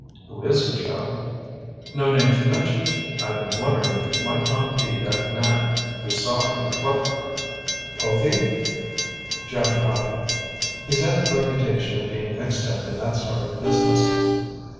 "Who is he, Joe?" "No names mentioned. I've been wondering if it might not be that man we saw in the club car." "Povy?" Joe nodded. "He's had the reputation of being mixed up in that sort of business.